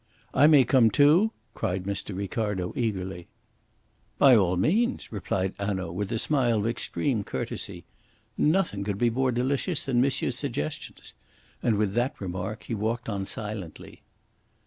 "I may come too?" cried Mr. Ricardo eagerly. "By all means," replied Hanaud, with a smile of extreme courtesy. "Nothing could be more delicious than monsieur's suggestions"; and with that remark he walked on silently.